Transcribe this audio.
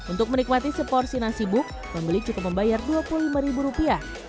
untuk menikmati seporsi nasi buk pembeli cukup membayar dua puluh lima ribu rupiah